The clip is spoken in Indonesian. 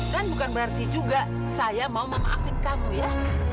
dan bukan berarti juga saya mau memaafin kamu ya